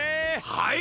はい！